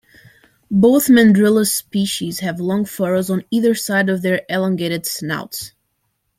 Both "Mandrillus" species have long furrows on either side of their elongated snouts.